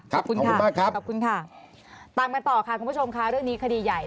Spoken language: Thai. ขอบคุณคุณมากครับขอบคุณค่ะตามกันต่อค่ะคุณผู้ชมค่ะเรื่องนี้คดีใหญ่